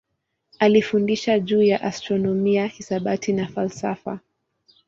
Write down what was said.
Alifundisha juu ya astronomia, hisabati na falsafa.